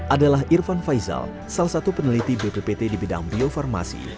adalah irfan faizal salah satu peneliti bppt di bidang bio farmasi